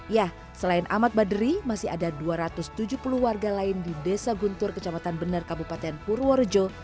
ya selain ahmad badri masih ada dua ratus tujuh puluh warga lain di desa guntur kecamatan bener kabupaten purworejo